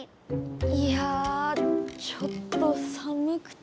いやちょっとさむくて。